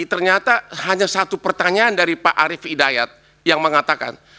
ternyata hanya satu pertanyaan dari pak arief hidayat yang mengatakan